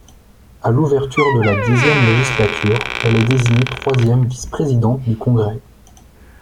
À l'ouverture de la X législature, elle est désignée troisième vice-présidente du Congrès.